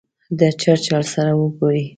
د چرچل سره وګوري.